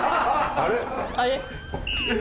あれ？